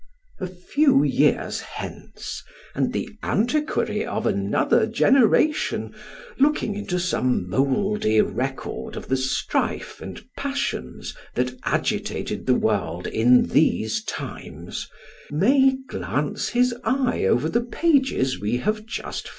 A few years hence, and the antiquary of another generation looking into some mouldy record of the strife and passions that agitated the world in these times, may glance his eye over the pages we have just A London Maze.